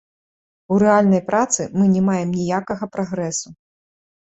У рэальнай працы мы не маем ніякага прагрэсу.